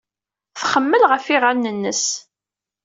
Txemmel ɣef yiɣallen-nnes.